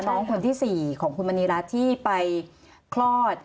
น้องคนที่๔ของคุณมณีรัฐที่ไปคลอด